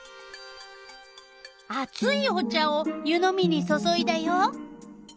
あついお茶を湯のみに注いだよ。